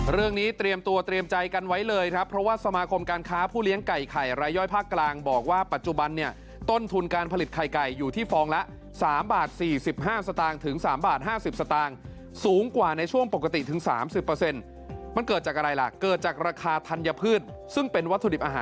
เตรียมตัวเตรียมใจกันไว้เลยครับเพราะว่าสมาคมการค้าผู้เลี้ยงไก่ไข่รายย่อยภาคกลางบอกว่าปัจจุบันเนี่ยต้นทุนการผลิตไข่ไก่อยู่ที่ฟองละ๓บาท๔๕สตางค์ถึง๓บาท๕๐สตางค์สูงกว่าในช่วงปกติถึง๓๐มันเกิดจากอะไรล่ะเกิดจากราคาธัญพืชซึ่งเป็นวัตถุดิบอาหาร